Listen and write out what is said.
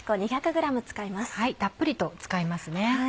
たっぷりと使いますね。